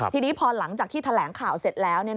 ทีนี้พอหลังจากที่แถลงข่าวเสร็จแล้ว